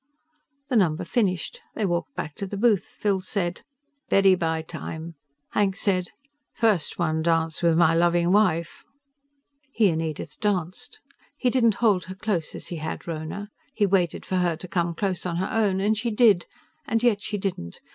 The number finished; they walked back to the booth. Phil said, "Beddy bye time." Hank said, "First one dance with my loving wife." He and Edith danced. He didn't hold her close as he had Rhona. He waited for her to come close on her own, and she did, and yet she didn't.